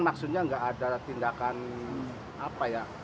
maksudnya nggak ada tindakan apa ya